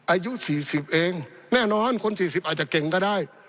อายุ๔๐เองแน่นอนคน๔๐อาจจะเก่งก็ได้